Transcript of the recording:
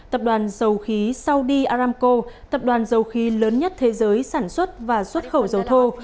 tập đoàn dầu khí saudi aramco tập đoàn dầu khí lớn nhất thế giới sản xuất và xuất khẩu dầu thô